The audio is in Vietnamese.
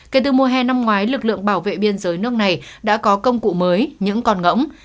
kể từ mùa hè năm ngoái lực lượng bảo vệ biên giới nước này đã có công cụ mới những con ngỗng